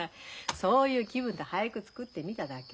そういう気分で俳句作ってみただけよ。